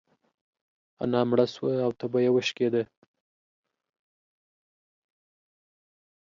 انا مړه سوه او تبه يې وشکيده.